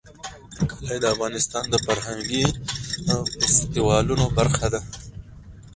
کلي د افغانستان د فرهنګي فستیوالونو برخه ده.